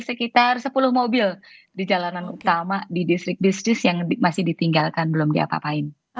sekitar sepuluh mobil di jalanan utama di distrik bisnis yang masih ditinggalkan belum diapa apain